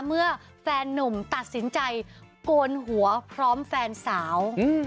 แฟนนุ่มตัดสินใจโกนหัวพร้อมแฟนสาว